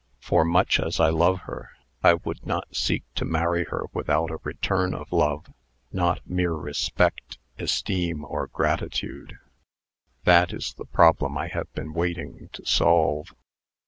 For, much as I love her, I would not seek to marry her without a return of love not mere respect, esteem, or gratitude. That is the problem I have been waiting to solve."